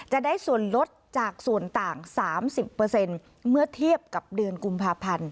จะได้ส่วนลดจากส่วนต่าง๓๐เมื่อเทียบกับเดือนกุมภาพันธ์